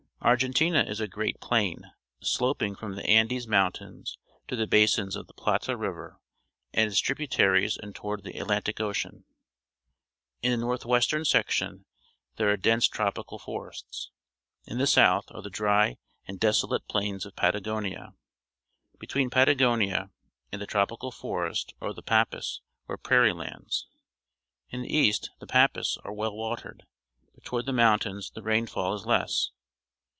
— Argentina is a great plain, sloping from the Andes Moun tains to the basin of the Plata River and its tributaries and toward the Atlantic Ocean. In the north western section there are dense tropical forests. In_t]ie aoiitb, are the dry and desolate p lains o f .^jjUwmia. Between Patagonia and" the tropical forest are the p ampas, or prairie lands. In the east the pampas are well watered, but toward the mountains the rainfall is less.